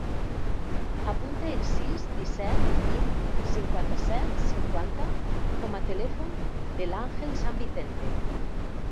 Apunta el sis, disset, vint, cinquanta-set, cinquanta com a telèfon de l'Àngel San Vicente.